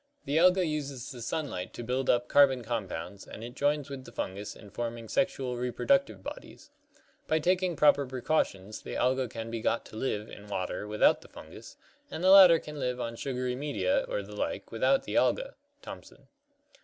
The Alga uses the sunlight to build up carbon compounds, and it joins with the Fungus in forming sexual reproductive bodies. By taking proper precautions the Alga can be got to live in water without the Fungus, and the latter can live on sugary media or the like without the Alga" (Thomson).